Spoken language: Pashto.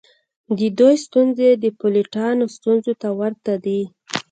د دوی ستونزې د پیلوټانو ستونزو ته ورته دي